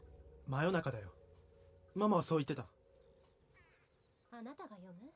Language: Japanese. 真夜中だよママはそう言ってたあなたが読む？